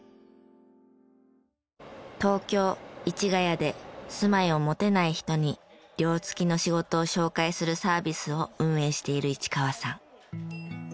東京市ヶ谷で住まいを持てない人に寮付きの仕事を紹介するサービスを運営している市川さん。